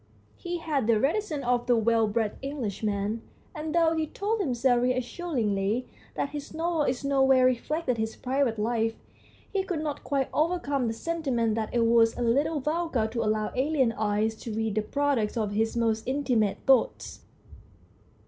He had the reticence of the well bred Englishman, and though he told himself reassuringly that his novel in no way reflected his private life, he could not quite overcome the sentiment that it was a little vulgar to allow alien eyes to read the product of his most intimate thoughts.